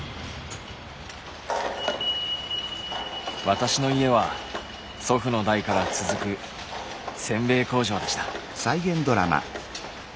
私の家は祖父の代から続くせんべい工場でした。